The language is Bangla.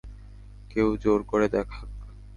কেউ জোর করে দেখাক।